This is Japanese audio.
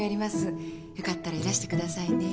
よかったらいらしてくださいね。